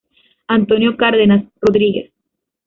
Antonio Cárdenas Rodríguez.